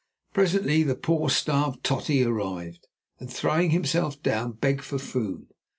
Presently the poor, starved "Totty" arrived, and throwing himself down, begged for food.